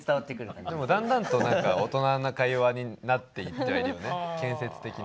でもだんだんと大人な会話になっていってはいるよね建設的な。